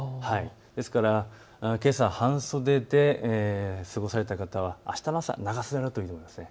ですからけさ半袖で過ごされた方はあしたの朝、長袖だといいです。